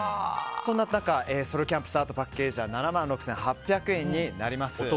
そんな中、ソロキャンプスタートパッケージは７万６８００円になります。